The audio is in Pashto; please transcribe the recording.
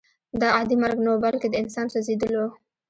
دا عادي مرګ نه و بلکې د انسان سوځېدل وو